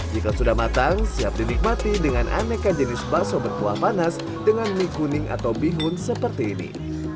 jika sudah matang siap dinikmati dengan aneka jenis bakso berkuah panas dengan mie kuning atau bihun seperti ini